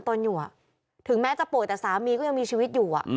ตนอยู่ถึงแม้จะป่วยแต่สามีก็ยังมีชีวิตอยู่